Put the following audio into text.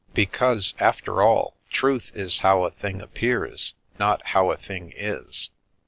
Because, after all, truth is how a thing appears, not how a thing is."